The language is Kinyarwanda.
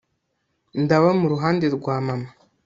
ndaba mu ruhande rwa mama